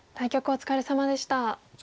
お疲れさまでした。